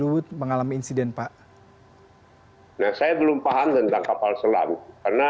lalu apa yang akan bisa dievaluasi yang terjadi pada saat kapal selam terbang